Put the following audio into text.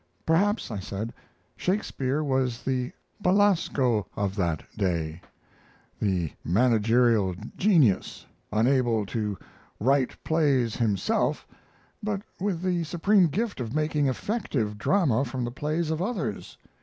"Perhaps," I said, "Shakespeare was the Belasoo of that day the managerial genius, unable to write plays himself, but with the supreme gift of making effective drama from the plays of others.